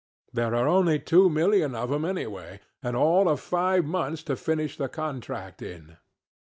There are only two million of them, anyway, and all of five months to finish the contract in.